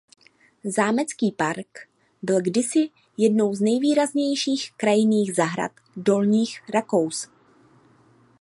Zámecký park byl kdysi jednou z nejvýraznějších krajinných zahrad Dolních Rakous.